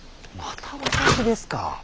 また私ですか。